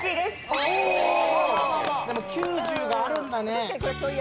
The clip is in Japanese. でも、９、１０があるんだね。